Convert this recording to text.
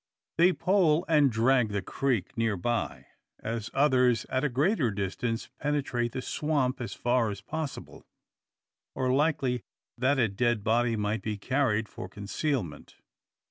They pole and drag the creek near by, as others at a greater distance; penetrate the swamp as far as possible, or likely that a dead body might be carried for concealment.